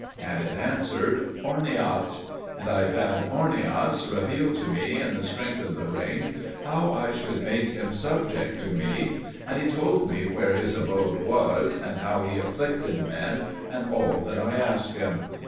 And it answered, "Ornias." And I bade Ornias reveal to me, in the strength of the ring, how I should make him subject to me; and he told me where his abode was, and how he afflicted men, and all that I asked him.